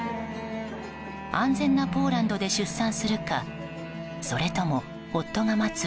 安全なポーランドで出産するかそれとも、夫が待つ